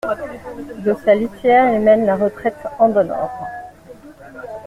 De sa litière, il mène la retraite en bon ordre.